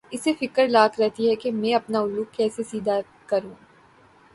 اسے فکر لاحق رہتی ہے کہ میں اپنا الو کیسے سیدھا کروں۔